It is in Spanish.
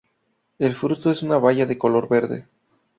El fruto es una baya de color verde.